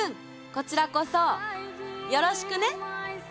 こちらこそよろしくね！